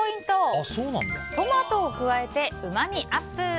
トマトを加えてうまみアップ！